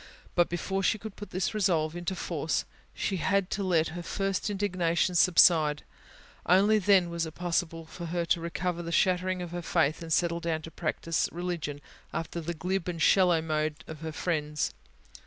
But, before she could put this resolve into force, she had to let her first indignation subside: only then was it possible for her to recover the shattering of her faith, and settle down to practise religion after the glib and shallow mode of her friends.